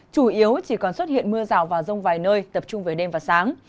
chủ yếu chỉ còn xuất hiện mưa rào vào rông vài nơi tập trung về đêm và sáng